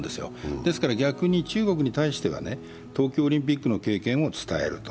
ですから逆に中国に対しては、東京オリンピックの経験を伝えると。